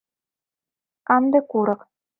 Канде курык.